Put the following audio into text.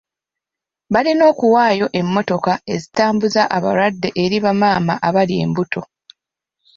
Balina okuwaayo emmotoka ezitambuza abalwadde eri bamaama abali embuto.